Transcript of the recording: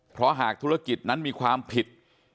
เพราะหากธุรกิจนั้นมีความผิด